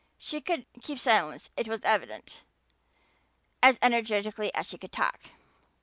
She could keep silence, it was evident, as energetically as she could talk.